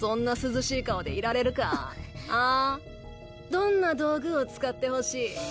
どんな道具を使ってほしい？